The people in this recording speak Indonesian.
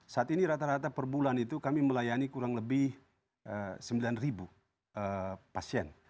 saat ini rata rata perbulan itu kami melayani kurang lebih sembilan ribu pasien